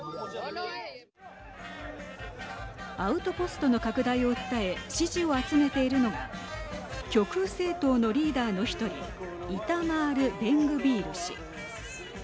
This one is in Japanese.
アウトポストの拡大を訴え支持を集めているのが極右政党のリーダーの１人イタマール・ベングビール氏。